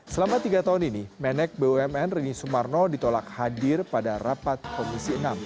selama tiga tahun ini menek bumn rini sumarno ditolak hadir pada rapat komisi enam